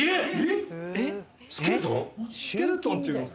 えっ！？